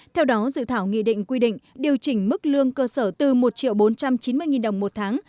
theo đó dự thảo nghị định quy định điều chỉnh mức lương cơ sở từ một bốn trăm chín mươi đồng một tháng